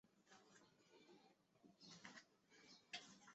桃树战争分布的拓垦地所发动的大规模攻击。